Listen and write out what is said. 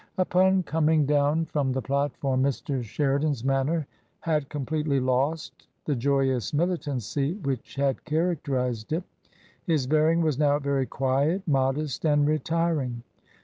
Upon coming down from I04 TRANSITION. the platform, Mr. Sheridan's manner had completely lost the joyous militancy which had characterized it; his bear ing was now very quiet, modest, and retiring.